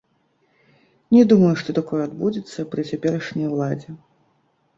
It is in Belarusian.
Не думаю, што такое адбудзецца пры цяперашняй уладзе.